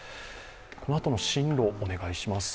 このあとの進路をお願いします。